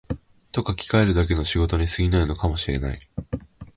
と書きかえるだけの仕事に過ぎないかも知れない